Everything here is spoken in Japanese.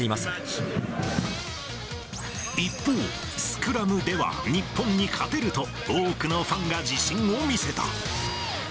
一方、スクラムでは日本に勝てると、多くのファンが自信を見せた。